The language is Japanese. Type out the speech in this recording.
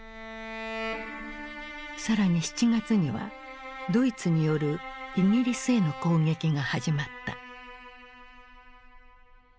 更に７月にはドイツによるイギリスへの攻撃が始まった。